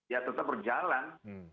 ya tetap berjalan